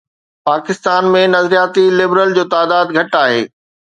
پاڪستان ۾ نظرياتي لبرل جو تعداد گهٽ آهي.